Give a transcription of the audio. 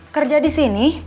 kerja di sini